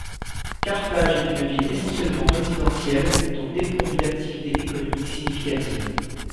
Carthage est une ville essentiellement résidentielle, donc dépourvue d'activités économiques significatives.